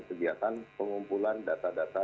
kegiatan pengumpulan data data